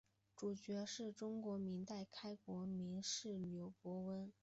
主角是中国明朝开国名士刘伯温。